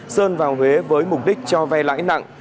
sơn vào huế với mục đích cho vay lãi nặng